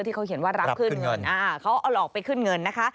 ที่เขาเขียนว่ารับขึ้นเงินเขาเอาหลอกไปขึ้นเงินนะคะ